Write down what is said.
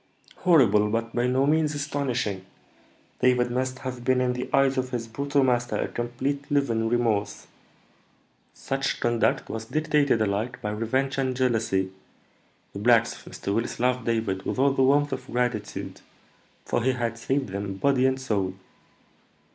"Horrible, but by no means astonishing. David must have been in the eyes of his brutal master a complete living remorse." "Such conduct was dictated alike by revenge and jealousy. The blacks of Mr. Willis loved David with all the warmth of gratitude, for he had saved them body and soul.